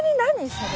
それ。